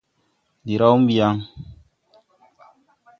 Ndi raw mbi yaŋ.